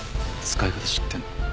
使い方知ってるの？